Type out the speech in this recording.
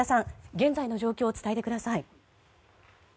現在の状況を伝えてください。